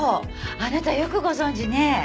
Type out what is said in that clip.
あなたよくご存じね。